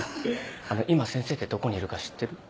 今先生ってどこにいるか知ってる？